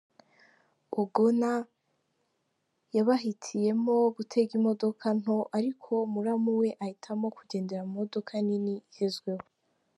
Ogonna yabahitiyemo gutega imodoka nto ariko muramu we ahitamo kugendera mu modoka nini igezweho.